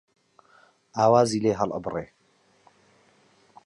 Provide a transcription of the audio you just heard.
ئاوازی لێ هەڵ ئەبڕێ